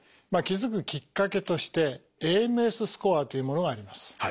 気付くきっかけとして「ＡＭＳスコア」というものがあります。